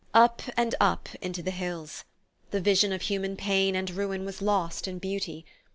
Up and up into the hills. The vision of human pain and ruin was lost in beauty.